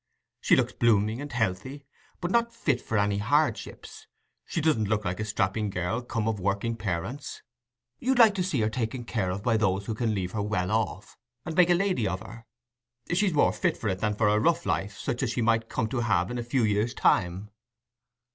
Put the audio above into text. She looks blooming and healthy, but not fit for any hardships: she doesn't look like a strapping girl come of working parents. You'd like to see her taken care of by those who can leave her well off, and make a lady of her; she's more fit for it than for a rough life, such as she might come to have in a few years' time."